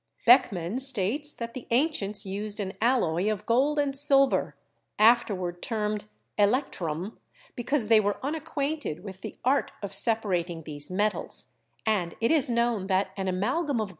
Beckmann states that the ancients used an alloy of gold and silver, afterward termed 'electrum/ because they were unacquainted with the art of separating these metals, and it is known that an amalgam of gold and Fig.